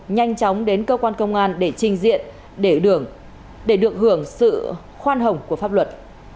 nhanh chóng đến cơ quan công an để trình diện để được hưởng sự khoan hồng của pháp luật